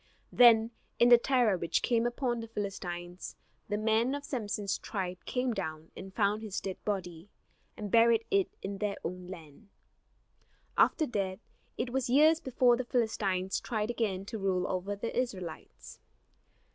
Then in the terror which came upon the Philistines the men of Samson's tribe came down and found his dead body, and buried it in their own land. After that it was years before the Philistines tried again to rule over the Israelites.